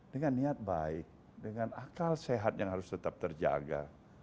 dengan niat baik dengan akal sehat yang harus tetap terjaga